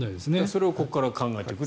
それをここから考えていくと。